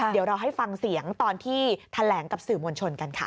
เดี๋ยวเราให้ฟังเสียงตอนที่แถลงกับสื่อมวลชนกันค่ะ